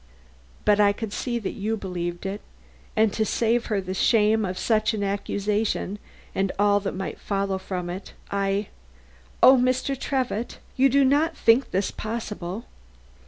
But I could see that you believed it, and to save her the shame of such an accusation and all that might follow from it, I oh, Mr. Trevitt, you do not think this possible!